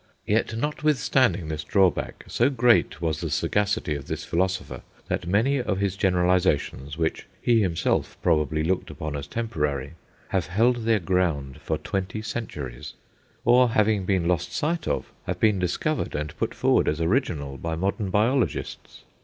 Yet, notwithstanding this drawback, so great was the sagacity of this philosopher, that many of his generalizations, which he himself probably looked upon as temporary, have held their ground for twenty centuries, or, having been lost sight of, have been discovered and put forward as original by modern biologists.